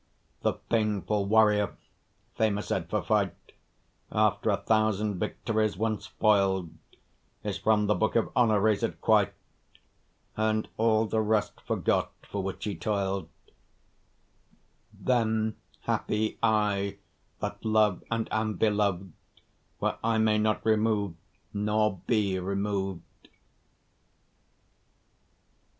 The painful warrior famoused for fight, After a thousand victories once foil'd, Is from the book of honour razed quite, And all the rest forgot for which he toil'd: Then happy I, that love and am belov'd, Where I may not remove nor be remov'd.